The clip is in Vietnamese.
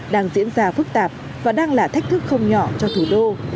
đang diễn ra phức tạp và đang là thách thức không nhỏ cho thủ đô